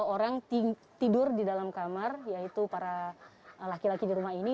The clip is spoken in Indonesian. tiga orang tidur di dalam kamar yaitu para laki laki di rumah ini